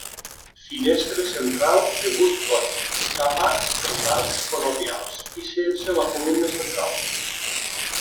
Finestra central de gust gòtic, tapats els arcs conopials i sense la columna central.